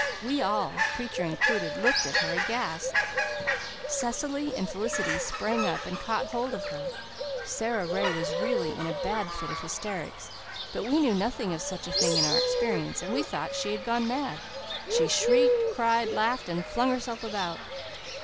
We all, preacher included, looked at her aghast. Cecily and Felicity sprang up and caught hold of her. Sara Ray was really in a bad fit of hysterics, but we knew nothing of such a thing in our experience, and we thought she had gone mad. She shrieked, cried, laughed, and flung herself about.